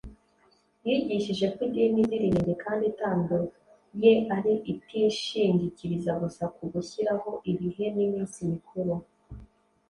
Yigishije ko idini izira inenge kandi itanduye ari itishingikiriza gusa ku gushyiraho ibihe n’iminsi mikuru.